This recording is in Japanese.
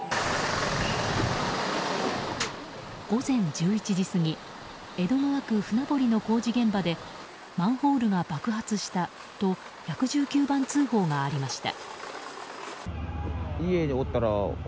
午前１１時過ぎ江戸川区船堀の工事現場でマンホールが爆発したと１１９番通報がありました。